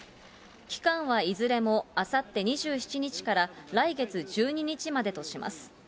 期間はいずれもあさって２７日から来月１２日までとします。